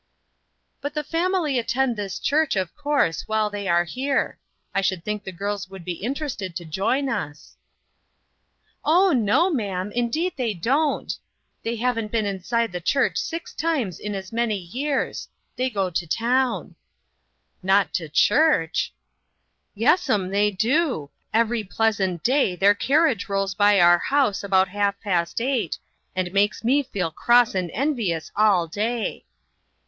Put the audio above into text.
"But the family attend this church, of course, while they are here. I should think the girls would be interested to join us." " Oh, no, ma'am ; indeed, they don't. They haven't been inside the church six times in as many years. They go to town." "Not to church!" " Yes'm ; they do. Every pleasant day their carriage rolls by our house about half past eight, and makes me feel cross and envious all day."